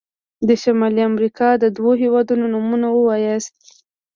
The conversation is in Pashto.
د شمالي امريکا د دوه هيوادونو نومونه ووایاست.